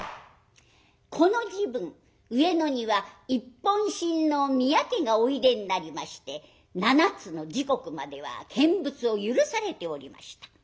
この時分上野には一品親王宮家がおいでになりまして七つの時刻までは見物を許されておりました。